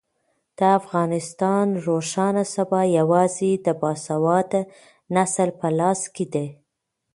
د افغانستان روښانه سبا یوازې د باسواده نسل په لاس کې ده.